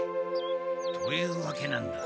というわけなんだ。